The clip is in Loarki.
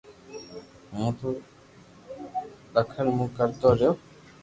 ھون تو دڪل مون ڪرتو رھيو